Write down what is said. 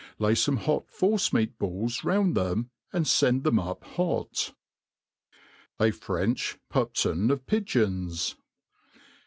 Lay fome hoc force meat balls roun4 fbem and fend them up hot; A French Puptm rf Pigeons.